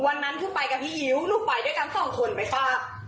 วันนั้นคือไปกับพี่อิ๊วลูกไปด้วยกันสองคนไปฝาก